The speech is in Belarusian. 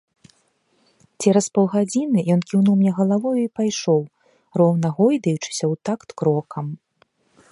Цераз паўгадзіны ён кіўнуў мне галавою і пайшоў, роўна гойдаючыся ў такт крокам.